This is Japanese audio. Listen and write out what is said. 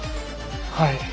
はい。